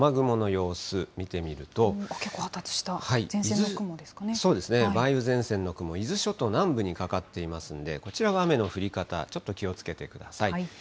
結構発達した、そうですね、梅雨前線の雲、伊豆諸島南部にかかっていますので、こちらは雨の降り方、ちょっと気をつけてください。